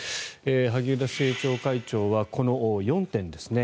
萩生田政調会長はこの４点ですね